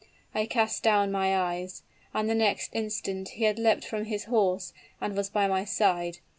I cast down my eyes; and the next instant he had leapt from his horse and was by my side.